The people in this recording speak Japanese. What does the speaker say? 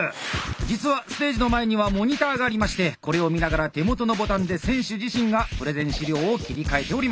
実はステージの前にはモニターがありましてこれを見ながら手元のボタンで選手自身がプレゼン資料を切り替えております。